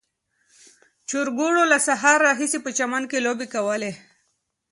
چرګوړو له سهار راهیسې په چمن کې لوبې کولې.